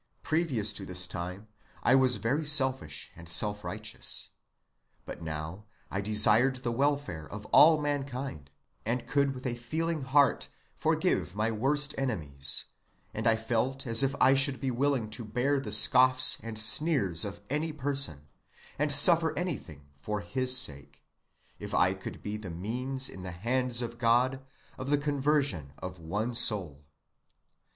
Previous to this time I was very selfish and self‐righteous; but now I desired the welfare of all mankind, and could with a feeling heart forgive my worst enemies, and I felt as if I should be willing to bear the scoffs and sneers of any person, and suffer anything for His sake, if I could be the means in the hands of God, of the conversion of one soul."